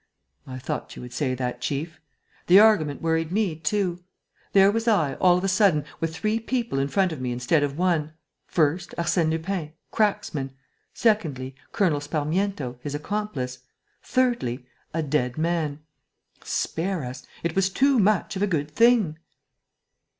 "I thought you would say that, chief. The argument worried me too. There was I, all of a sudden, with three people in front of me instead of one: first, Arsène Lupin, cracksman; secondly, Colonel Sparmiento, his accomplice; thirdly, a dead man. Spare us! It was too much of a good thing!"